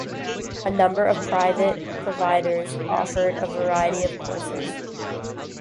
A number of private providers offer a variety of courses.